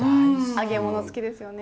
揚げ物好きですよね。